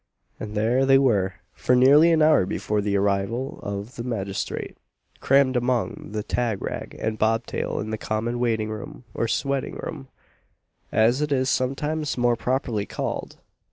And there they were, for nearly an hour before the arrival of the magistrate, crammed among the tagrag and bobtail in the common waiting room, or sweating room, as it is sometimes more properly called.